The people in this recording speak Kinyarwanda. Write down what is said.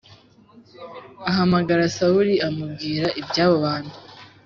ahamagara Sawuli amubwira ibyabo bantu